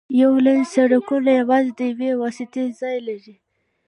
یو لینه سړکونه یوازې د یوې واسطې ځای لري